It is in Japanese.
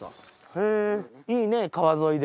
へっいいね川沿いで。